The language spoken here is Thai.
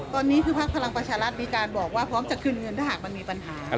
ตอนนี้คือพักพลังประชารัฐมีการบอกว่าพร้อมจะคืนเงินถ้าหากมันมีปัญหา